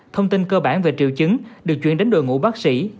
thông tin cơ bản về triệu chứng được chuyển đến đội ngũ bác sĩ